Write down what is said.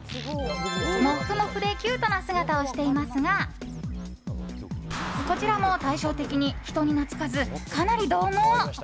もふもふでキュートな姿をしていますがこちらも対照的に人に懐かず、かなり獰猛。